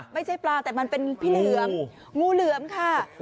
ไม่ใช่ปลาแต่มันเป็นพี่เหลือมงูเหลือมค่ะ